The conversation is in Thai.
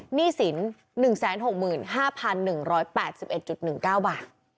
หนี้สิน๑๖๕๑๘๑๑๙บาท